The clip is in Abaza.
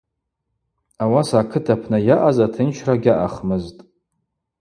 Ауаса акыт апны йаъаз атынчра гьаъахмызтӏ.